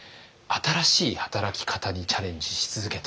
新しい働き方にチャレンジし続けていきます。